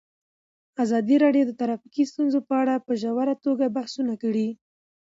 ازادي راډیو د ټرافیکي ستونزې په اړه په ژوره توګه بحثونه کړي.